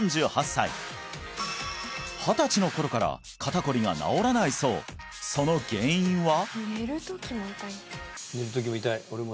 ３８歳二十歳の頃から肩こりが治らないそうその原因は？